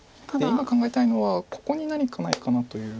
今考えたいのはここに何かないかなという。